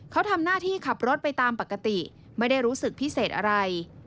เขาทำหน้าที่ขับรถไปตามปกติไม่ได้รู้สึกพิเศษอะไร